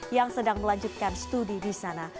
yang sedang melanjutkan studi di sana